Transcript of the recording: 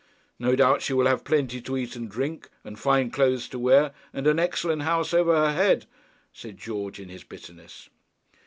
'No doubt she will have plenty to eat and drink, and fine clothes to wear, and an excellent house over her head,' said George in his bitterness.